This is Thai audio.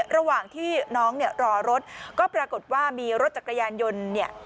ระหว่างที่น้องรอรถก็ปรากฏว่ามีรถจักรยานยนต์